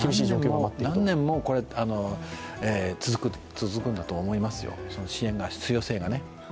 何年も続くんだと思いますよ、支援の必要性が。